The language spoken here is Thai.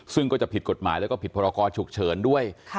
ซึ่งก็จะผิดกฎหมายแล้วก็ผิดพรกรฉุกเฉินด้วย